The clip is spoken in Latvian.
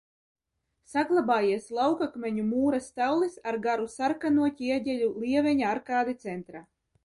Saglabājies laukakmeņu mūra stallis ar garu sarkano ķieģeļu lieveņa arkādi centrā.